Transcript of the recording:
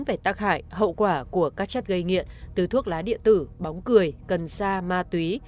về tắc hại hậu quả của các chất gây nghiện từ thuốc lá địa tử bóng cười cân sa ma túy